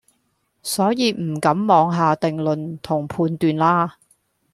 所以唔敢妄下定論同判斷啦